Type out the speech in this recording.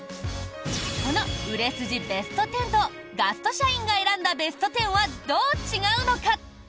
この売れ筋ベスト１０とガスト社員が選んだベスト１０はどう違うのか？